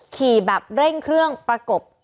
ขี่แบบเร่งเครื่องประกบ